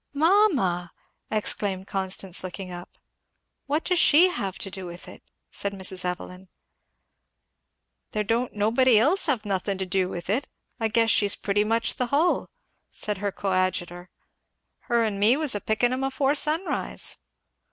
"Mamma!" exclaimed Constance looking up. "What does she have to do with it?" said Mrs. Evelyn. "There don't nobody else have nothin' to deu with it I guess she's pretty much the hull," said her coadjutor. "Her and me was a picking 'em afore sunrise."